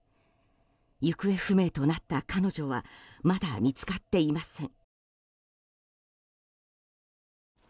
行方不明となった彼女はまだ見つかっていません。